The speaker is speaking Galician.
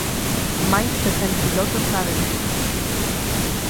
Máis de cen pilotos na aventura.